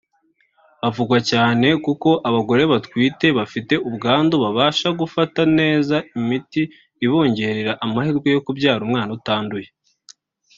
havugwa cyane kuko abagore batwite bafite ubwandu babasha gufata neza imiti ibongerera amahirwe yo kubyara umwana utanduye